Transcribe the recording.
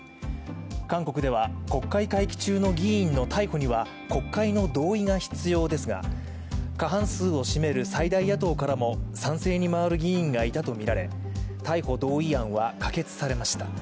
韓国では国会会期中の議員の逮捕には国会の同意が必要ですが過半数を占める最大野党からも賛成に回る議員がいたとみられ、逮捕同意案は可決されました。